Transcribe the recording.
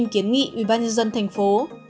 kiến nghị ủy ban dân dân tp hcm